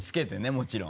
もちろん。